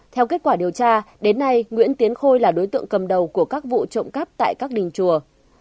theo kết quả điều tra đến nay nguyễn tiến khôi là đối tượng cầm đầu của các vụ trộm cắp tại các đình chùa